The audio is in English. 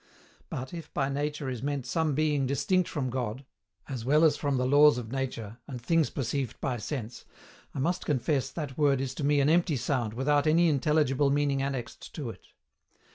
But, if by Nature is meant some being distinct from God, as well as from the laws of nature, and things perceived by sense, I must confess that word is to me an empty sound without any intelligible meaning annexed to it.